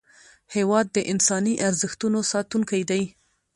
هېواد د انساني ارزښتونو ساتونکی دی.